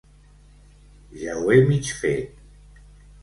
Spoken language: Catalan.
Ja ho he mig fet.